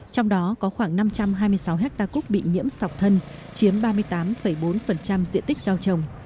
trong đó có khoảng năm trăm hai mươi sáu hectare cúc bị nhiễm sọc thân chiếm ba mươi tám bốn diện tích giao trồng